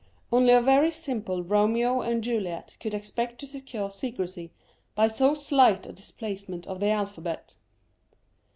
Only a very simple Romeo and Juliet could expect to secure secrecy by so slight a displacement of the alphabet.